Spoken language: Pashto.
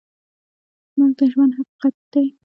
مرګ د ژوند حقیقت دی